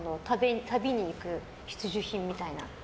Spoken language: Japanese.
旅に行く必需品みたいな。